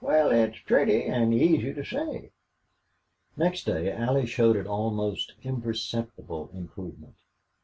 Wal, it's pretty an' easy to say." Next day Allie showed an almost imperceptible improvement.